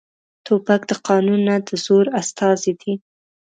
توپک د قانون نه، د زور استازی دی.